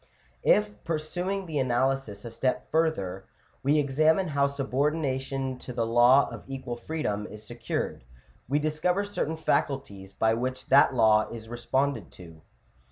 If, pursuing the analysis a step further, we examine how subordination to the law of equal freedom is secured, we discover certain faculties by which that law is responded to (Chap.